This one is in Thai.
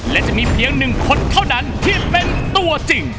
และจะมีเพียงหนึ่งคนเท่านั้นที่เป็นตัวจริง